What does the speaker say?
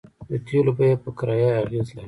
د تیلو بیه په کرایه اغیز لري